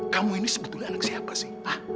kamu ini sebetulnya anak siapa sih